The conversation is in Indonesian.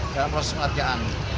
dalam proses pengerjaan